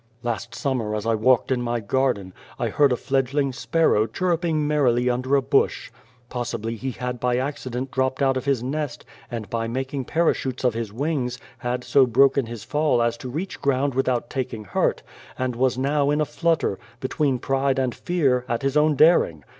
" Last summer, as I walked in my garden, I heard a fledgling sparrow chirruping merrily under a bush. Possibly he had by accident dropped out of his nest, and, by making parachutes of his wings, had so broken his fall as to reach ground without taking hurt, and was now in a flutter, between pride and fear, at his own daring.